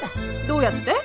どうやって？